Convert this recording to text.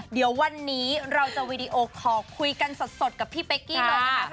เดี๋ยววันนี้เราจะวีดีโอคอลคุยกันสดกับพี่เป๊กกี้เลยนะคะ